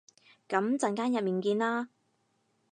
噉陣間入面見啦